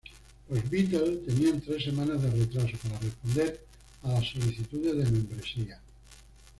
Los Beatles tenían tres semanas de retraso para responder a las solicitudes de membresía.